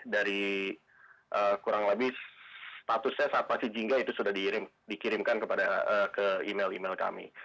dari kurang lebih statusnya saat masih jingga itu sudah dikirimkan ke email email kami